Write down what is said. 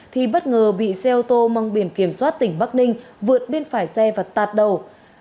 thì bất ngờ bị xe ô tô mong biển kiểm soát tỉnh bắc ninh vượt bên phải xe và tạt đầu